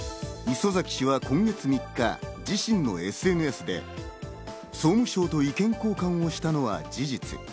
礒崎氏は今月３日、自身のＳＮＳで総務省と意見交換をしたのは事実。